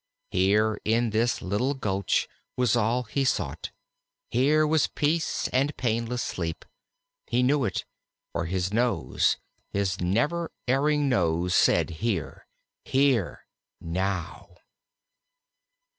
Here in this little gulch was all he sought; here were peace and painless sleep. He knew it; for his nose, his never erring nose, said, "_Here! here now!